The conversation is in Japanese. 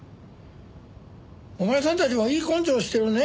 お前さんたちもいい根性してるねえ。